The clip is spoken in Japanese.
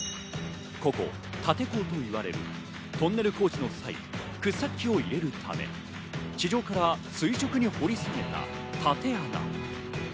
ここ立坑といわれるトンネル工事の際、掘削機を入れるため地上から垂直に掘り下げた縦穴。